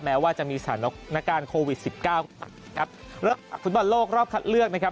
แม้ว่าจะมีสถานการณ์โควิดสิบเก้าครับฟุตบอลโลกรอบคัดเลือกนะครับ